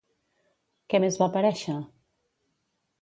Què més va aparèixer?